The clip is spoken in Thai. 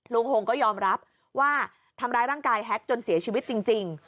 หงก็ยอมรับว่าทำร้ายร่างกายแฮกจนเสียชีวิตจริง